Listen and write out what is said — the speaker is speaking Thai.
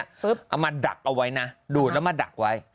เอามาดักเอาไว้นะดูดแล้วมาดักไว้